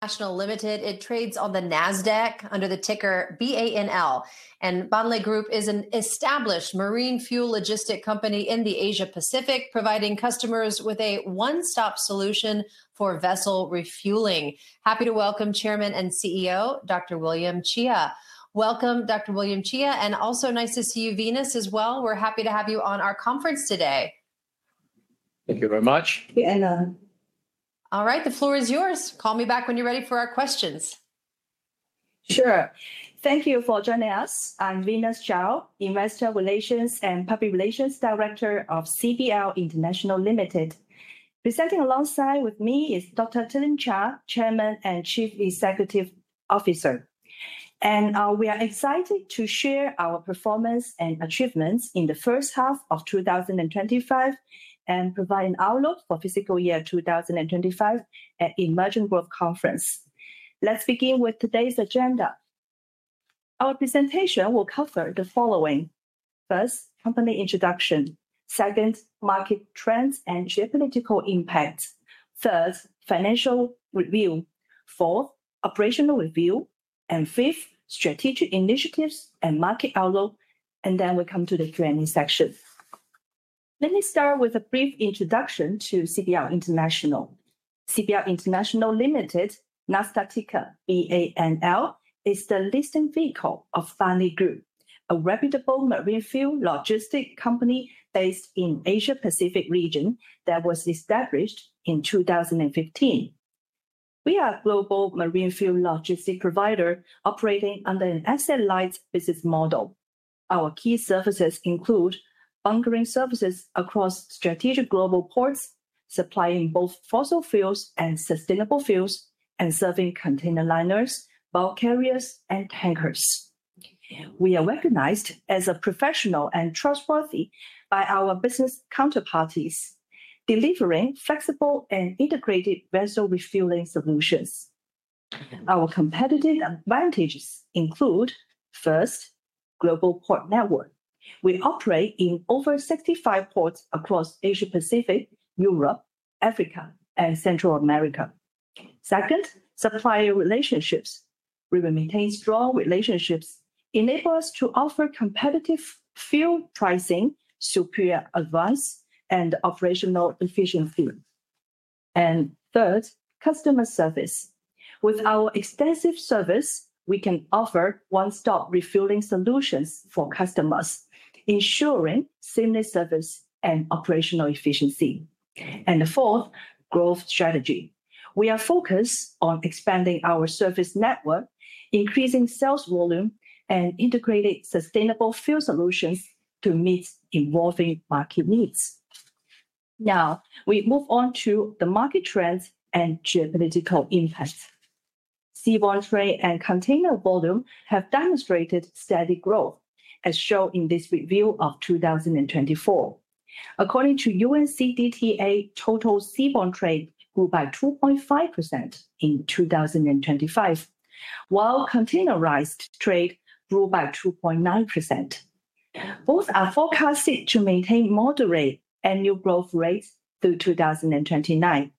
International Limited, it trades on the NASDAQ under the ticker BANL. Banle Group is an established marine fuel logistics company in the Asia Pacific, providing customers with a one-stop solution for vessel refueling. Happy to welcome Chairman and CEO, Dr. William Chia. Welcome, Dr. William Chia. Also nice to see you, Venus, as well. We're happy to have you on our conference today. Thank you very much. Thank you, Ellen. All right, the floor is yours. Call me back when you're ready for our questions. Sure. Thank you for joining us. I'm Venus Zhao, Investor Relations and Public Relations Director of CBL International Limited. Presenting alongside me is Dr. William Chia, Chairman and Chief Executive Officer. We are excited to share our performance and achievements in the first half of 2025 and provide an outlook for the fiscal year 2025 at the Emerging Growth Conference. Let's begin with today's agenda. Our presentation will cover the following: First, company introduction; second, market trends and geopolitical impact; third, financial review; fourth, operational review; and fifth, strategic initiatives and market outlook. We then come to the Q&A section. Let me start with a brief introduction to CBL International. CBL International Limited, NASDAQ ticker BANL, is the listing vehicle of Banle Group, a reputable marine fuel logistics company based in the Asia Pacific region that was established in 2015. We are a global marine fuel logistics provider operating under an asset-light business model. Our key services include bunkering services across strategic global ports, supplying both fossil fuels and sustainable fuels, and serving container liners, bulk carriers, and tankers. We are recognized as professional and trustworthy by our business counterparties, delivering flexible and integrated vessel refueling solutions. Our competitive advantages include: First, global port network. We operate in over 65 ports across Asia Pacific, Europe, Africa, and Central America. Second, supplier relationships. We maintain strong relationships, enabling us to offer competitive fuel pricing, superior advice, and operational efficiency. Third, customer service. With our extensive service, we can offer one-stop refueling solutions for customers, ensuring seamless service and operational efficiency. Fourth, growth strategy. We are focused on expanding our service network, increasing sales volume, and integrating sustainable fuel solutions to meet evolving market needs. Now, we move on to the market trends and geopolitical impact. Seaborne trade and container volume have demonstrated steady growth, as shown in this review of 2024. According to UNCTAD, total seaborne trade grew by 2.5% in 2025, while containerized trade grew by 2.9%. Both are forecasted to maintain moderate annual growth rates through 2029.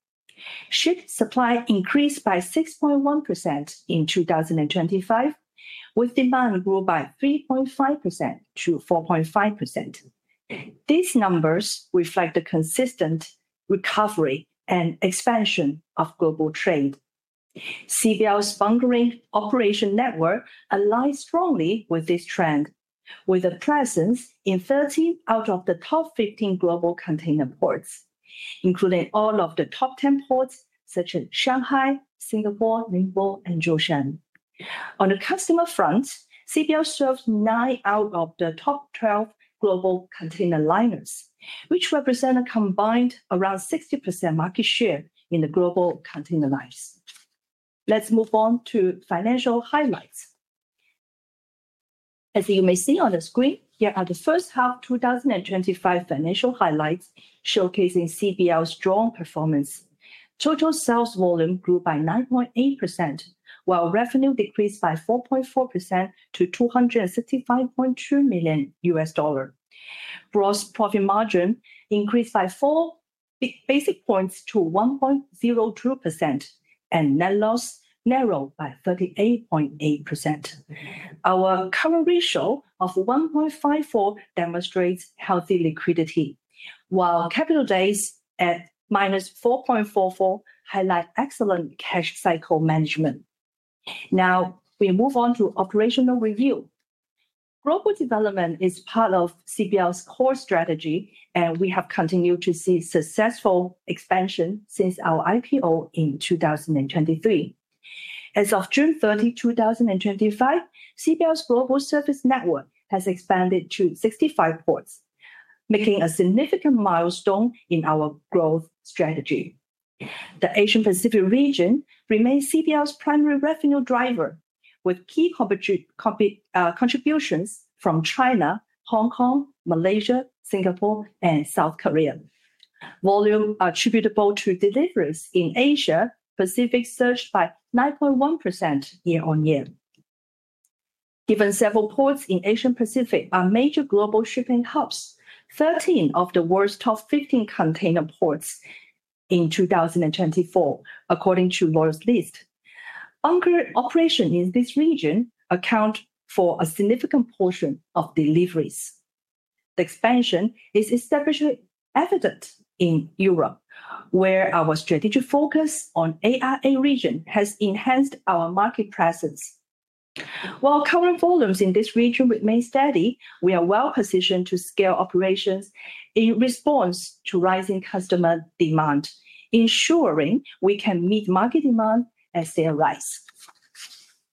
Ship supply increased by 6.1% in 2025, with demand growing by 3.5% to 4.5%. These numbers reflect a consistent recovery and expansion of global trade. CBL's bunkering operation network aligns strongly with this trend, with a presence in 13 out of the top 15 global container ports, including all of the top 10 ports, such as Shanghai, Singapore, Ningbo, and Zhoushan. On the customer front, CBL serves 9 out of the top 12 global container liners, which represent a combined around 60% market share in the global container lines. Let's move on to financial highlights. As you may see on the screen, here are the first half 2025 financial highlights, showcasing CBL's strong performance. Total sales volume grew by 9.8%, while revenue decreased by 4.4% to $265.2 million. Gross profit margin increased by 4 basis points to 1.02%, and net loss narrowed by 38.8%. Our current ratio of 1.54 demonstrates healthy liquidity, while capital days at minus 4.44 highlight excellent cash cycle management. Now, we move on to operational review. Global development is part of CBL's core strategy, and we have continued to see successful expansion since our IPO in 2023. As of June 30, 2025, CBL's global service network has expanded to 65 ports, making a significant milestone in our growth strategy. The Asia Pacific region remains CBL's primary revenue driver, with key contributions from China, Hong Kong, Malaysia, Singapore, and South Korea. Volume attributable to deliveries in Asia Pacific surged by 9.1% year on year. Given several ports in the Asia Pacific are major global shipping hubs, 13 of the world's top 15 container ports in 2024, according to the world's list. Bunker operations in this region account for a significant portion of deliveries. The expansion is especially evident in Europe, where our strategic focus on the AIA region has enhanced our market presence. While current volumes in this region remain steady, we are well positioned to scale operations in response to rising customer demand, ensuring we can meet market demand as sales rise.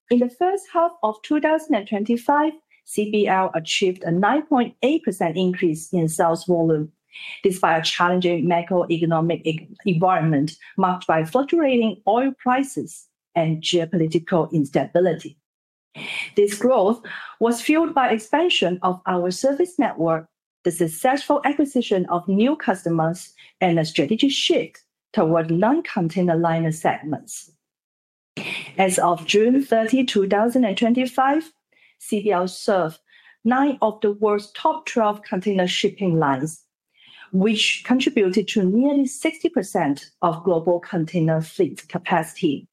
In the first half of 2025, CBL achieved a 9.8% increase in sales volume, despite a challenging macroeconomic environment marked by fluctuating oil prices and geopolitical instability. This growth was fueled by the expansion of our service network, the successful acquisition of new customers, and the strategic shift toward non-container liner segments. As of June 30, 2025, CBL served 9 of the world's top 12 container shipping lines, which contributed to nearly 60% of global container fleet capacity.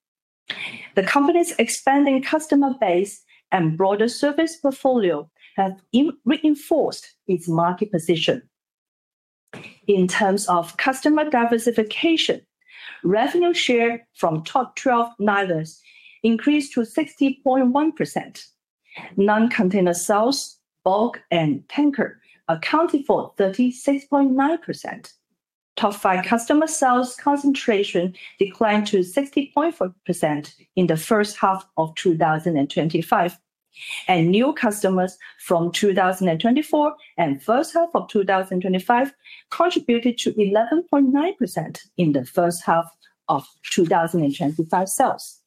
The company's expanding customer base and broader service portfolio have reinforced its market position. In terms of customer diversification, revenue share from top 12 liners increased to 60.1%. Non-container sales, bulk, and tanker accounted for 36.9%. Top five customer sales concentration declined to 60.4% in the first half of 2025, and new customers from 2024 and the first half of 2025 contributed to 11.9% in the first half of 2025 sales.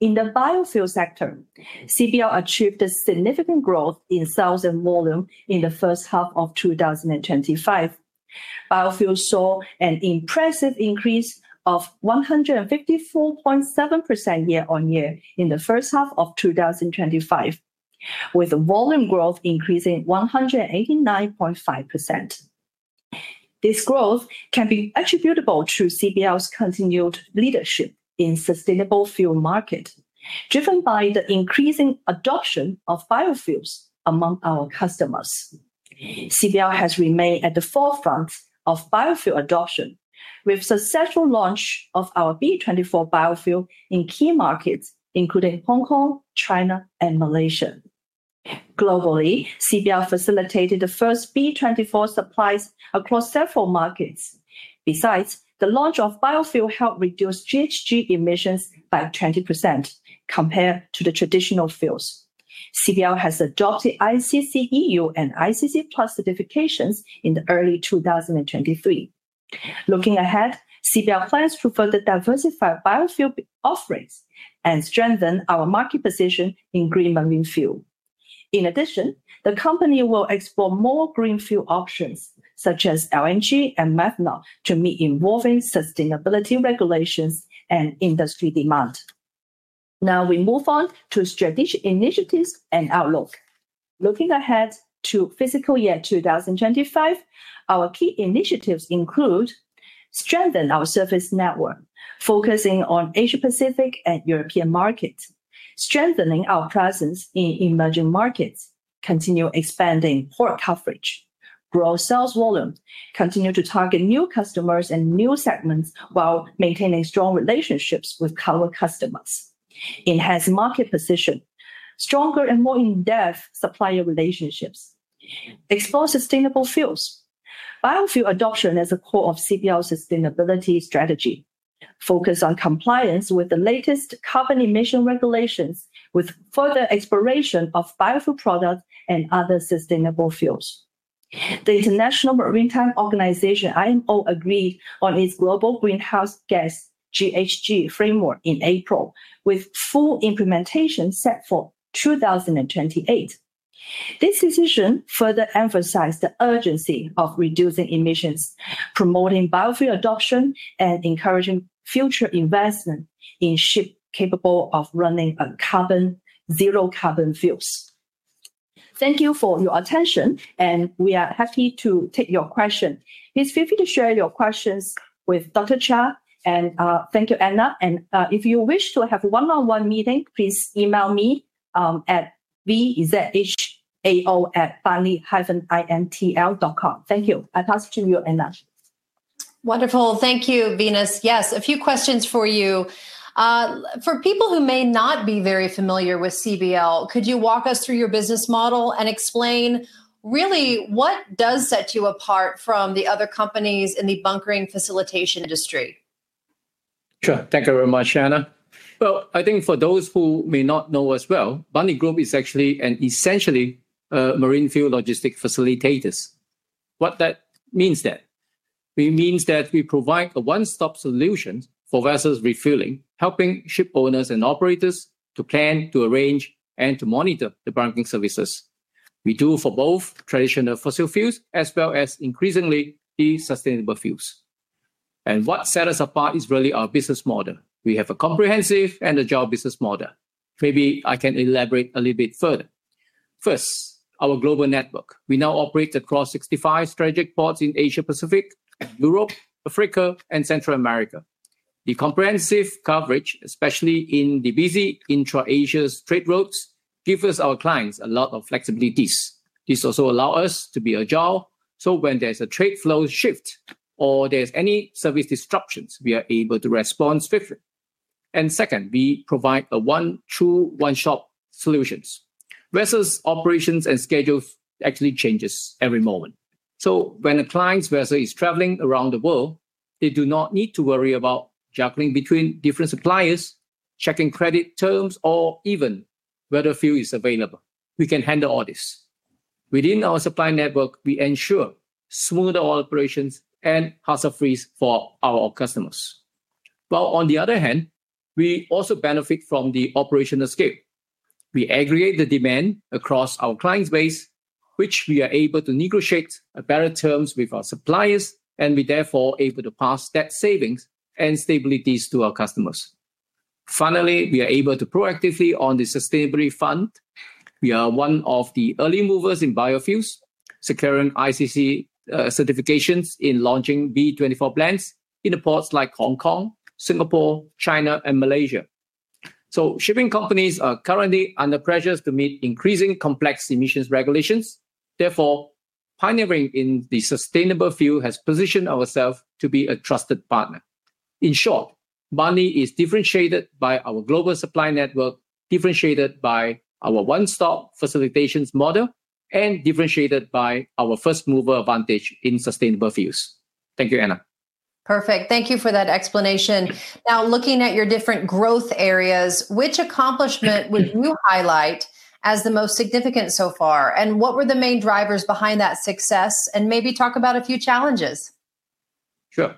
In the biofuel sector, CBL achieved a significant growth in sales and volume in the first half of 2025. Biofuel saw an impressive increase of 154.7% year on year in the first half of 2025, with volume growth increasing 189.5%. This growth can be attributable to CBL's continued leadership in the sustainable fuel market, driven by the increasing adoption of biofuels among our customers. CBL has remained at the forefront of biofuel adoption, with the successful launch of our B24 biofuel in key markets, including Hong Kong, China, and Malaysia. Globally, CBL facilitated the first B24 supplies across several markets. Besides, the launch of biofuel helped reduce GHG emissions by 20% compared to the traditional fuels. CBL has adopted ISCC EU and ISCC+ certifications in early 2023. Looking ahead, CBL plans to further diversify biofuel offerings and strengthen our market position in green marine fuel. In addition, the company will explore more green fuel options, such as LNG and methanol, to meet evolving sustainability regulations and industry demand. Now we move on to strategic initiatives and outlook. Looking ahead to fiscal year 2025, our key initiatives include: strengthen our service network, focusing on Asia Pacific and European markets, strengthening our presence in emerging markets, continue expanding port coverage, grow sales volume, continue to target new customers and new segments while maintaining strong relationships with current customers, enhance market position, stronger and more in-depth supplier relationships, explore sustainable fuels, biofuel adoption as a core of CBL's sustainability strategy, focus on compliance with the latest carbon emission regulations with further exploration of biofuel products and other sustainable fuels. The International Maritime Organization, IMO, agreed on its Global Greenhouse Gas (GHG) framework in April, with full implementation set for 2028. This decision further emphasized the urgency of reducing emissions, promoting biofuel adoption, and encouraging future investment in ships capable of running on carbon, zero carbon fuels. Thank you for your attention, and we are happy to take your questions. Please feel free to share your questions with Dr. William Chia. Thank you, Ellen. If you wish to have a one-on-one meeting, please email me at vzhao@banle-intl.com. Thank you. I pass it to you, Ellen. Wonderful. Thank you, Venus. Yes, a few questions for you. For people who may not be very familiar with CBL, could you walk us through your business model and explain really what does set you apart from the other companies in the bunkering facilitation industry? Sure. Thank you very much, Shanna. I think for those who may not know us well, Banle Group is actually and essentially marine fuel logistics facilitators. What that means is that we provide a one-stop solution for vessel refueling, helping shipowners and operators to plan, to arrange, and to monitor the bunkering services. We do it for both traditional fossil fuels as well as increasingly sustainable fuels. What sets us apart is really our business model. We have a comprehensive and agile business model. Maybe I can elaborate a little bit further. First, our global network. We now operate across 65 strategic ports in Asia Pacific, Europe, Africa, and Central America. The comprehensive coverage, especially in the busy intra-Asian trade routes, gives our clients a lot of flexibility. This also allows us to be agile, so when there's a trade flow shift or there's any service disruptions, we are able to respond swiftly. Second, we provide a one-stop shop solution. Vessel operations and schedules actually change every moment. When a client's vessel is traveling around the world, they do not need to worry about juggling between different suppliers, checking credit terms, or even whether fuel is available. We can handle all this. Within our supply network, we ensure smooth operations and hassle-free service for our customers. On the other hand, we also benefit from the operational scale. We aggregate the demand across our client base, which we are able to negotiate better terms with our suppliers, and we are therefore able to pass that savings and stability to our customers. Finally, we are able to proactively fund the sustainability fund. We are one of the early movers in biofuels, securing ISCC certifications and launching B24 plans in the ports like Hong Kong, Singapore, China, and Malaysia. Shipping companies are currently under pressure to meet increasing complex emissions regulations. Therefore, pioneering in the sustainable fuel has positioned ourselves to be a trusted partner. In short, Banle is differentiated by our global supply network, differentiated by our one-stop facilitation model, and differentiated by our first-mover advantage in sustainable fuels. Thank you, Ellen. Perfect. Thank you for that explanation. Now, looking at your different growth areas, which accomplishment would you highlight as the most significant so far, and what were the main drivers behind that success? Maybe talk about a few challenges. Sure.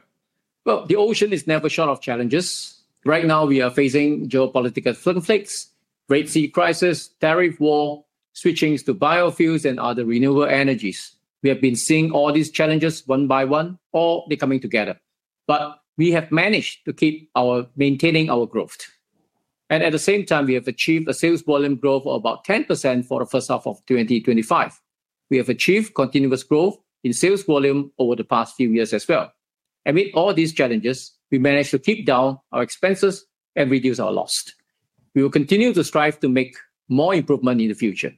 The ocean is never short of challenges. Right now, we are facing geopolitical conflicts, the Red Sea crisis, tariff war, switching to biofuels, and other renewable energies. We have been seeing all these challenges one by one, all coming together. We have managed to keep maintaining our growth. At the same time, we have achieved a sales volume growth of about 10% for the first half of 2025. We have achieved continuous growth in sales volume over the past few years as well. Amid all these challenges, we managed to keep down our expenses and reduce our loss. We will continue to strive to make more improvements in the future.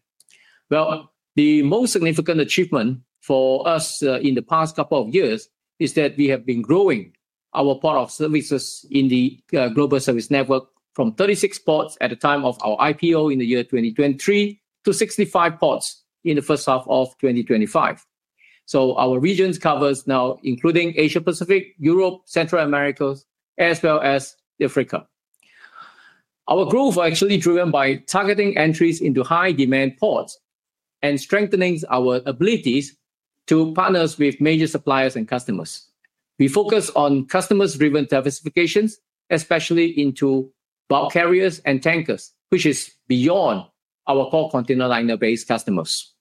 The most significant achievement for us in the past couple of years is that we have been growing our port of services in the global service network from 36 ports at the time of our IPO in the year 2023 to 65 ports in the first half of 2025. Our region covers now, including Asia Pacific, Europe, Central America, as well as Africa. Our growth is actually driven by targeting entries into high-demand ports and strengthening our abilities to partner with major suppliers and customers. We focus on customer-driven diversification, especially into bulk carriers and tankers, which is beyond our core container liner-based customers.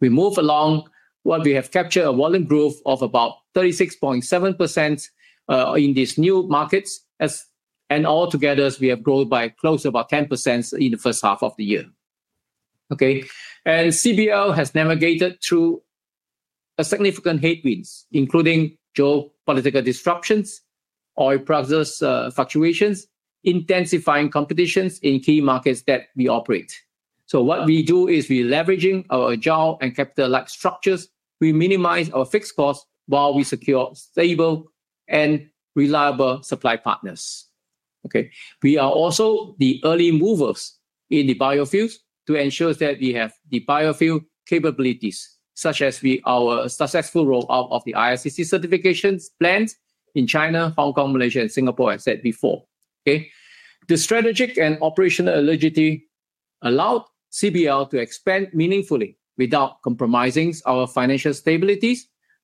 We move along when we have captured a volume growth of about 36.7% in these new markets, and altogether, we have grown by close to about 10% in the first half of the year. CBL has navigated through significant headwinds, including geopolitical disruptions, oil price fluctuations, and intensifying competition in key markets that we operate. What we do is we are leveraging our agile and asset-light business model. We minimize our fixed costs while we secure stable and reliable supply partners. We are also the early movers in the biofuels to ensure that we have the biofuel capabilities, such as our successful rollout of the ISCC certification plans in China, Hong Kong, Malaysia, and Singapore, as I said before. The strategic and operational agility allowed CBL to expand meaningfully without compromising our financial stability.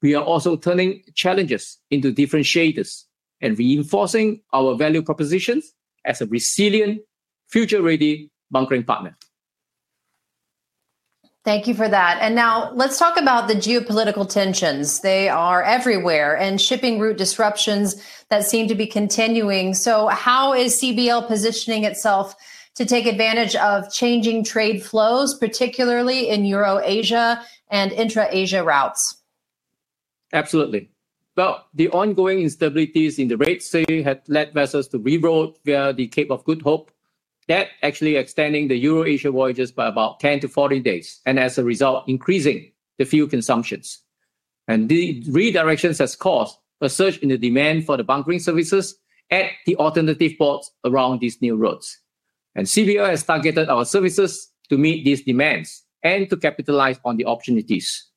We are also turning challenges into differentiators and reinforcing our value propositions as a resilient, future-ready bunkering partner. Thank you for that. Now let's talk about the geopolitical tensions. They are everywhere, and shipping route disruptions seem to be continuing. How is CBL positioning itself to take advantage of changing trade flows, particularly in Euro-Asia and intra-Asia routes? Absolutely. The ongoing instabilities in the Red Sea have led vessels to reroute via the Cape of Good Hope, actually extending the Euro-Asia voyages by about 10 to 40 days, and as a result, increasing the fuel consumptions. The redirections have caused a surge in the demand for the bunkering services at the alternative ports around these new routes. CBL has targeted our services to meet these demands and to capitalize on the opportunities.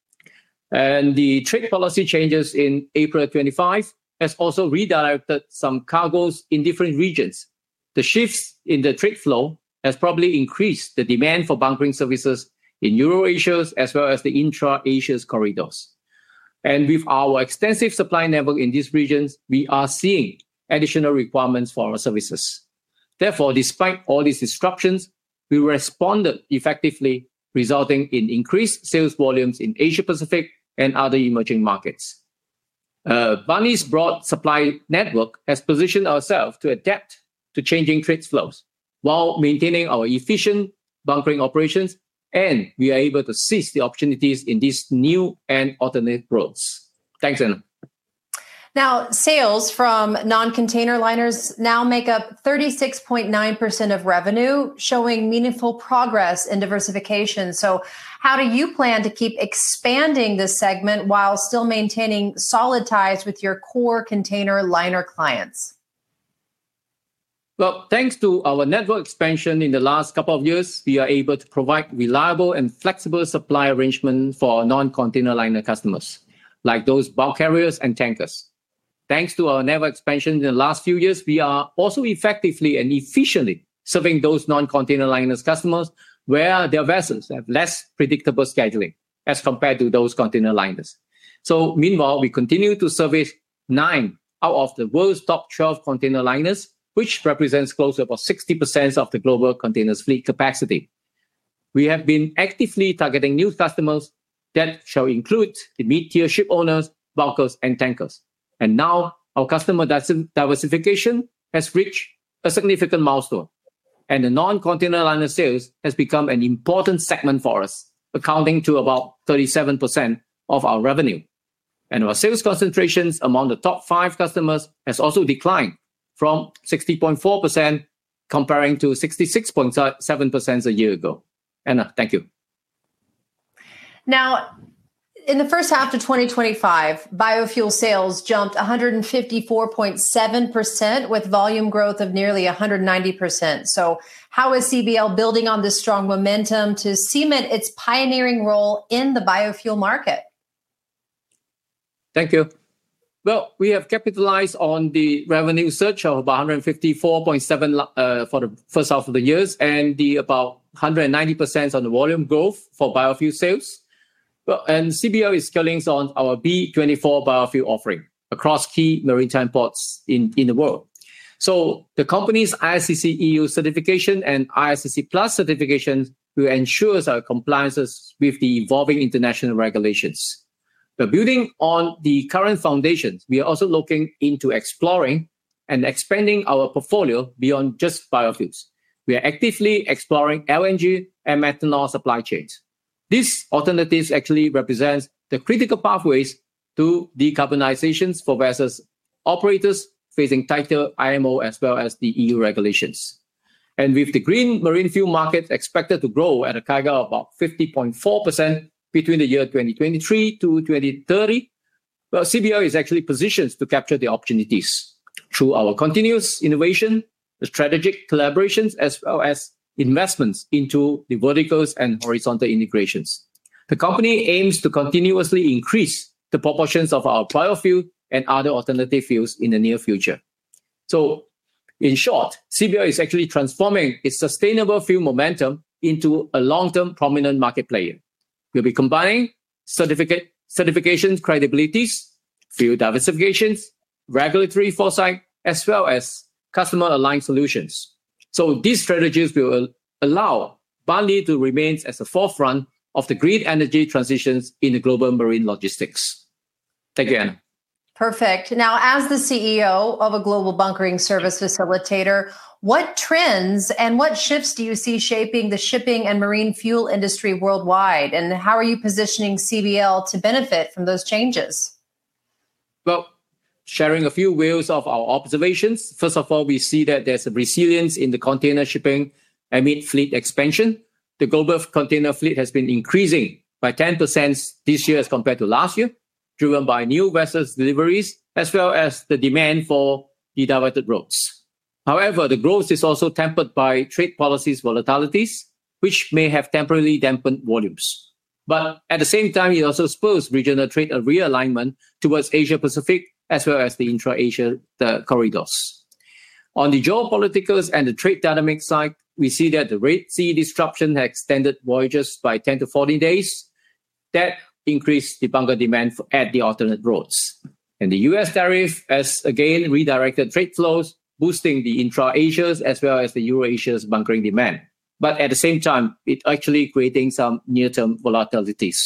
The trade policy changes in April 2025 have also redirected some cargoes in different regions. The shifts in the trade flow have probably increased the demand for bunkering services in Euro-Asia, as well as the intra-Asia corridors. With our extensive supply network in these regions, we are seeing additional requirements for our services. Therefore, despite all these disruptions, we responded effectively, resulting in increased sales volumes in Asia Pacific and other emerging markets. CBL's broad supply network has positioned ourselves to adapt to changing trade flows while maintaining our efficient bunkering operations, and we are able to seize the opportunities in these new and alternative routes. Thanks, Ellen. Now, sales from non-container liners now make up 36.9% of revenue, showing meaningful progress in diversification. How do you plan to keep expanding this segment while still maintaining solid ties with your core container liner clients? Thanks to our network expansion in the last couple of years, we are able to provide reliable and flexible supply arrangements for our non-container liner customers, like those bulk carriers and tankers. Thanks to our network expansion in the last few years, we are also effectively and efficiently serving those non-container liners customers where their vessels have less predictable scheduling as compared to those container liners. Meanwhile, we continue to service nine out of the world's top 12 container liners, which represents close to about 60% of the global container fleet capacity. We have been actively targeting new customers that shall include mid-tier shipowners, bulkers, and tankers. Now our customer diversification has reached a significant milestone, and the non-container liner sales have become an important segment for us, accounting for about 37% of our revenue. Our sales concentrations among the top five customers have also declined from 60.4%, compared to 66.7% a year ago. Ellen, thank you. Now, in the first half of 2025, biofuel sales jumped 154.7%, with volume growth of nearly 190%. How is CBL building on this strong momentum to cement its pioneering role in the biofuel market? Thank you. We have capitalized on the revenue surge of about 154.7% for the first half of the year and about 190% on the volume growth for biofuel sales. CBL is selling our B24 biofuel offering across key maritime ports in the world. The company's ISCC EU certification and ISCC+ certifications will ensure our compliance with the evolving international regulations. Building on the current foundations, we are also looking into exploring and expanding our portfolio beyond just biofuels. We are actively exploring LNG and methanol supply chains. These alternatives actually represent the critical pathways to decarbonization for vessel operators facing tighter IMO as well as the EU regulations. With the green marine fuel market expected to grow at a CAGR of about 50.4% between the year 2023 to 2030, CBL is actually positioned to capture the opportunities through our continuous innovation, strategic collaborations, as well as investments into the verticals and horizontal integrations. The company aims to continuously increase the proportions of our biofuel and other alternative fuels in the near future. In short, CBL is actually transforming its sustainable fuel momentum into a long-term prominent market player. We'll be combining certification credibilities, fuel diversification, regulatory foresight, as well as customer-aligned solutions. These strategies will allow Banle Group to remain at the forefront of the green energy transitions in the global marine logistics. Thank you, Ellen. Perfect. Now, as the CEO of a global bunkering service facilitator, what trends and what shifts do you see shaping the shipping and marine fuel industry worldwide, and how are you positioning CBL to benefit from those changes? Sharing a few wheels of our observations. First of all, we see that there's a resilience in the container shipping fleet expansion. The global container fleet has been increasing by 10% this year as compared to last year, driven by new vessel deliveries, as well as the demand for the diverted routes. However, the growth is also tempered by trade policy volatilities, which may have temporarily dampened volumes. At the same time, it also spurs regional trade realignment towards Asia Pacific, as well as the intra-Asia corridors. On the geopolitical and the trade dynamics side, we see that the Red Sea disruption has extended voyages by 10 to 40 days that increase the bunker demand at the alternate routes. The U.S. tariff has again redirected trade flows, boosting the intra-Asian as well as the Euro-Asian bunkering demand. At the same time, it's actually creating some near-term volatilities.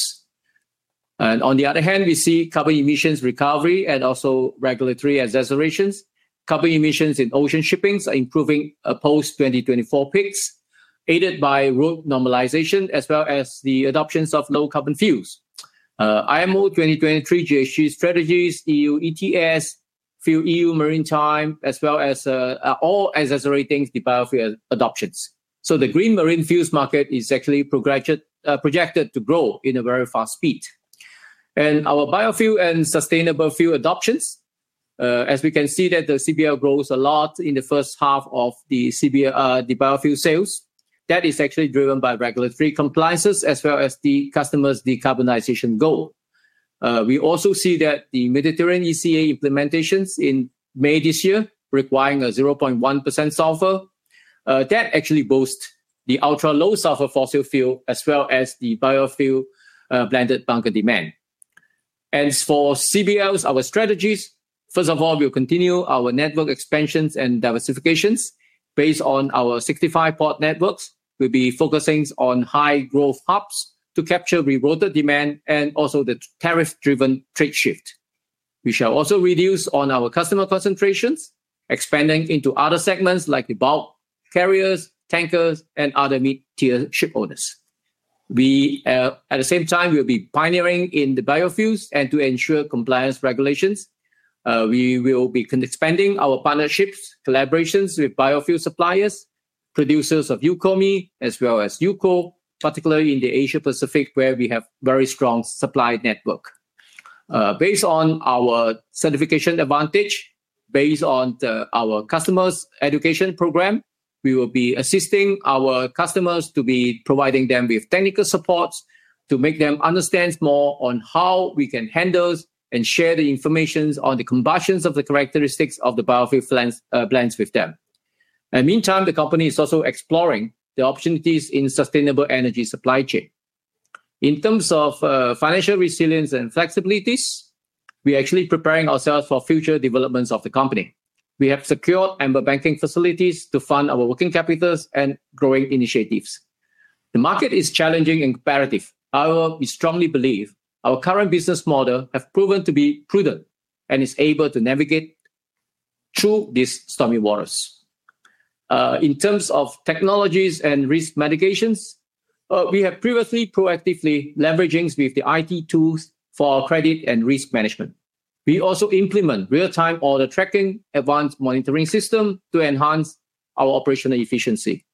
On the other hand, we see carbon emissions recovery and also regulatory exacerbations. Carbon emissions in ocean shipping are improving post-2024 peaks, aided by route normalization, as well as the adoption of low carbon fuels. IMO 2023 GHG strategies, EU ETS, Fuel EU Maritime, as well as all exacerbating the biofuel adoptions. The green marine fuel market is actually projected to grow at a very fast speed. Our biofuel and sustainable fuel adoptions, as we can see that the CBL grows a lot in the first half of the biofuel sales, that is actually driven by regulatory compliance as well as the customer's decarbonization goal. We also see that the Mediterranean ECA implementations in May this year require 0.1% sulfur. That actually boosts the ultra-low sulfur fossil fuel, as well as the biofuel blended bunker demand. For CBL, our strategies, first of all, we'll continue our network expansions and diversifications. Based on our 65 port networks, we'll be focusing on high-growth hubs to capture rewarded demand and also the tariff-driven trade shift. We shall also reduce our customer concentrations, expanding into other segments like the bulk carriers, tankers, and other mid-tier shipowners. At the same time, we'll be pioneering in the biofuels, and to ensure compliance regulations, we will be expanding our partnerships, collaborations with biofuel suppliers, producers of EUCOMI, as well as EUCO, particularly in the Asia Pacific, where we have a very strong supply network. Based on our certification advantage, based on our customers' education program, we will be assisting our customers to be providing them with technical support to make them understand more on how we can handle and share the information on the combustion of the characteristics of the biofuel plants with them. Meantime, the company is also exploring the opportunities in sustainable energy supply chains. In terms of financial resilience and flexibility, we're actually preparing ourselves for future developments of the company. We have secured ample banking facilities to fund our working capitals and growing initiatives. The market is challenging and competitive, however, we strongly believe our current business model has proven to be prudent and is able to navigate through these stormy waters. In terms of technologies and risk mitigation, we have proactively leveraged IT tools for our credit and risk management. We also implement real-time order tracking and advanced monitoring systems to enhance our operational efficiency.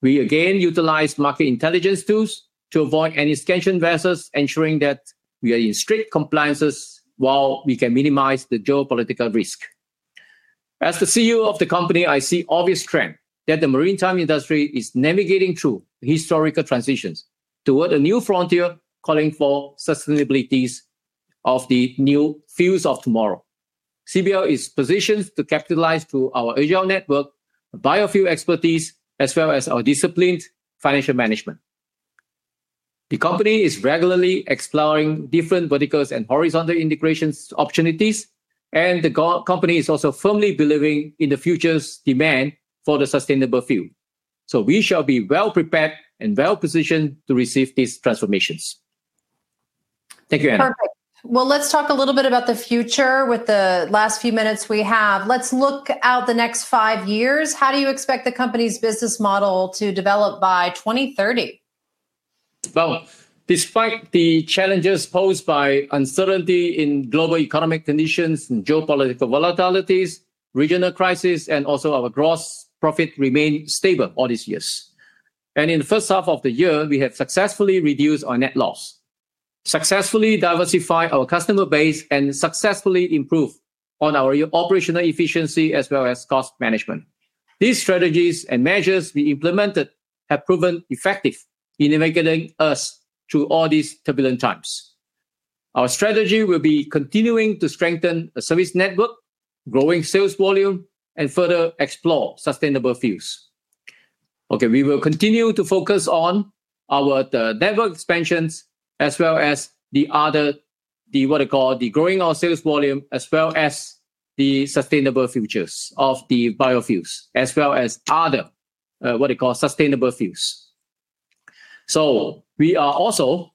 We again utilize market intelligence tools to avoid any sanction vessels, ensuring that we are in strict compliance while we can minimize the geopolitical risk. As the CEO of the company, I see an obvious trend that the maritime industry is navigating through historical transitions toward a new frontier calling for sustainability of the new fuels of tomorrow. CBL is positioned to capitalize through our agile network, biofuel expertise, as well as our disciplined financial management. The company is regularly exploring different verticals and horizontal integration opportunities, and the company is also firmly believing in the future's demand for the sustainable fuel. We shall be well prepared and well positioned to receive these transformations. Thank you, Ellen. Perfect. Let's talk a little bit about the future with the last few minutes we have. Let's look out the next five years. How do you expect the company's business model to develop by 2030? Despite the challenges posed by uncertainty in global economic conditions, geopolitical volatilities, regional crises, our gross profit remains stable all these years. In the first half of the year, we have successfully reduced our net loss, successfully diversified our customer base, and successfully improved our operational efficiency, as well as cost management. These strategies and measures we implemented have proven effective in navigating us through all these turbulent times. Our strategy will be continuing to strengthen the service network, growing sales volume, and further exploring sustainable fuels. We will continue to focus on our network expansions, as well as growing our sales volume, as well as the sustainable futures of the biofuels, as well as other sustainable fuels. We are also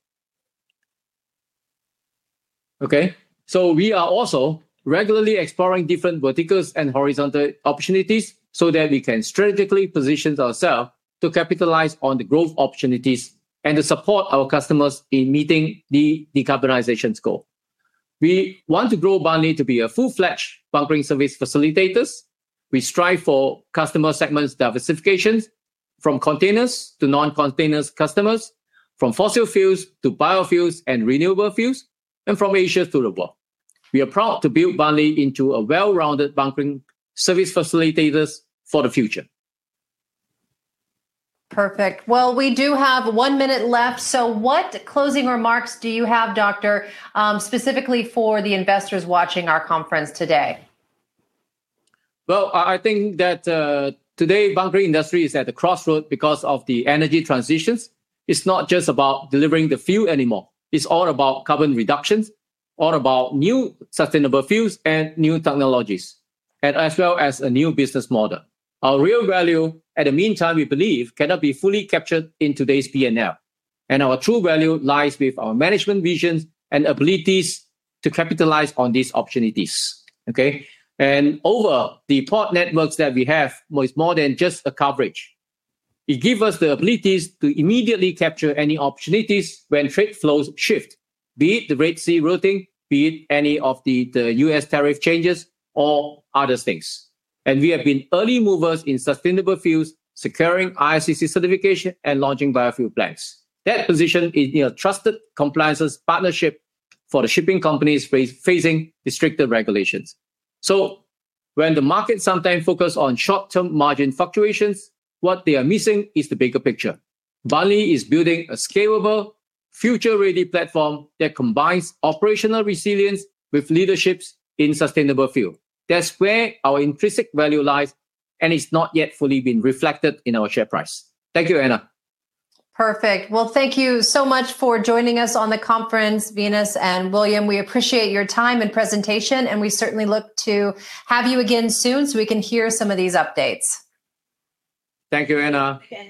regularly exploring different verticals and horizontal opportunities so that we can strategically position ourselves to capitalize on the growth opportunities and to support our customers in meeting the decarbonization goal. We want to grow Banle Group to be a full-fledged bunkering service facilitator. We strive for customer segments diversification, from container liners to non-container customers, from fossil fuels to biofuels and renewable fuels, and from Asia to the world. We are proud to build Banle Group into a well-rounded bunkering service facilitator for the future. Perfect. We do have one minute left. What closing remarks do you have, Doctor, specifically for the investors watching our conference today? I think that today the bunkering industry is at the crossroads because of the energy transitions. It's not just about delivering the fuel anymore. It's all about carbon reduction, all about new sustainable fuels and new technologies, as well as a new business model. Our real value, at the meantime, we believe, cannot be fully captured in today's BANL. Our true value lies with our management vision and ability to capitalize on these opportunities. Over the port networks that we have, it's more than just a coverage. It gives us the ability to immediately capture any opportunities when trade flows shift, be it the Red Sea routing, be it any of the U.S. tariff changes, or other things. We have been early movers in sustainable fuels, securing ISCC certification, and launching biofuel plans. That position is in a trusted compliance partnership for the shipping companies facing restrictive regulations. When the market sometimes focuses on short-term margin fluctuations, what they are missing is the bigger picture. Banle Group is building a scalable, future-ready platform that combines operational resilience with leadership in sustainable fuels. That's where our intrinsic value lies and has not yet fully been reflected in our share price. Thank you, Ellen. Perfect. Thank you so much for joining us on the conference, Venus and William. We appreciate your time and presentation, and we certainly look to have you again soon so we can hear some of these updates. Thank you, Ellen.